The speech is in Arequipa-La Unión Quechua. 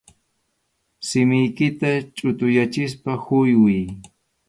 Simiykita chʼutuyachispa huywiy.